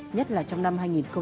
nhất là trong năm hai nghìn hai mươi